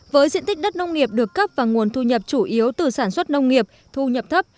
với diện tích đất nông nghiệp được cấp và nguồn thu nhập chủ yếu từ sản xuất nông nghiệp thu nhập thấp